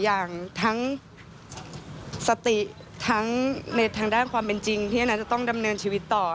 อย่างทั้งสติทั้งในทางด้านความเป็นจริงที่อนาจะต้องดำเนินชีวิตต่อ